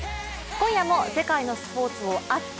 今夜も世界のスポ−ツを熱く！